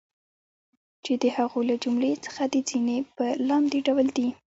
چی د هغو له جملی څخه د ځینی په لاندی ډول دی